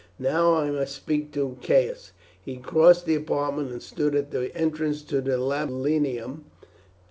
Now I must speak to Caius." He crossed the apartment, and stood at the entrance to the tablinum.